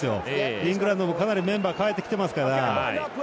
イングランドもかなりメンバー代えてきてますから。